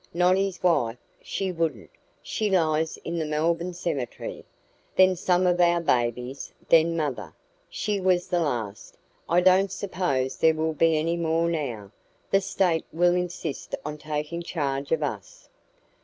Not his wife, she wouldn't; she lies in the Melbourne cemetery. Then some of our babies, then mother. She was the last. I don't suppose there will be any more now. The State will insist on taking charge of us."